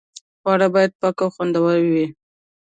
خواړه باید پاک او خوندي وي.